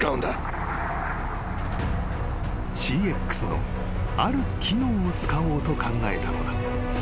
［ＣＸのある機能を使おうと考えたのだ］